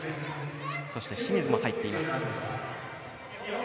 そして清水も入っています。